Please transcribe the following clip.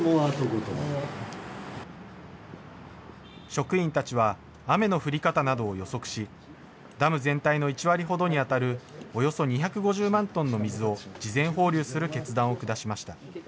職員たちは雨の降り方などを予測し、ダム全体の１割ほどに当たるおよそ２５０万トンの水を、事前放流する決断を下しました。